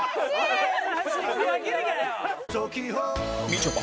みちょぱ